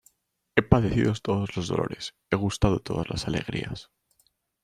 he padecido todos los dolores, he gustado todas las alegrías: